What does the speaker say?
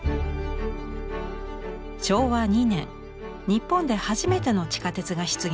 昭和２年日本で初めての地下鉄が出現しました。